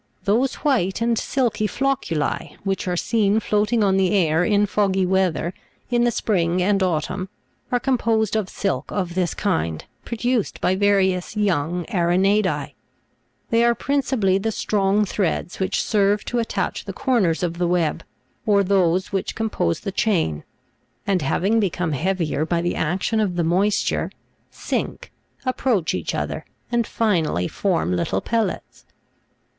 20. Those white and silky flocculi, which are seen floating on the air, in foggy weather, in the spring and au tumn, are composed of silk of this kind produced by various young Aranei'da3 ; they are principally the strong threads which serve to attach the corners of the web, or those which compose the chain, and, having become heavier by the action of the moisture, sink, ap proach each other, and finally form little pellets.